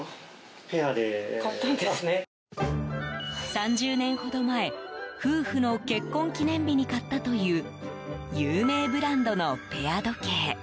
３０年ほど前夫婦の結婚記念日に買ったという有名ブランドのペア時計。